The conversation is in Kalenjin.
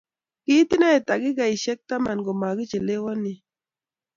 Kiit inne takikaishek taman komagichelewanye